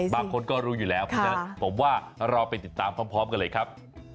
บางคนก็รู้อยู่แล้วผมว่าเราไปติดตามพร้อมกันเลยครับ